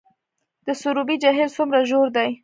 د سروبي جهیل څومره ژور دی؟